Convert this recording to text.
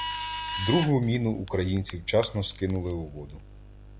Другу міну українці вчасно скинули у воду.